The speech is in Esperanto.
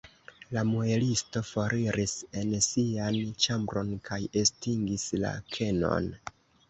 La muelisto foriris en sian ĉambron kaj estingis la kenon.